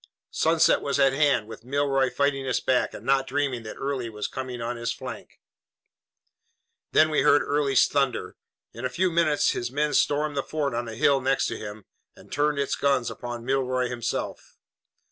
Sunset was at hand, with Milroy fighting us back and not dreaming that Early was coming on his flank. Then we heard Early's thunder. In a few minutes his men stormed the fort on the hill next to him and turned its guns upon Milroy himself.